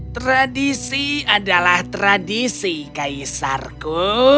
tradisi adalah tradisi kaisarku